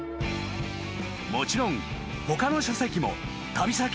［もちろん他の書籍も旅先で購入］